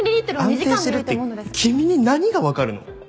安定してるって君に何がわかるの？